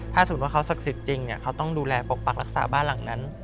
ว่าเขาศักดิ์สิทธิ์จริงเนี่ยเขาต้องดูแลปกปักรักษาบ้านหลังนั้น